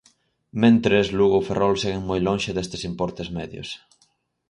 Mentres, Lugo ou Ferrol seguen moi lonxe destes importes medios.